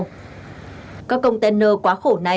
đoàn xe đầu kéo chở container quá khổ nối đuôi nhau